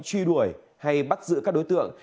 truy đuổi hay bắt giữ các đối tượng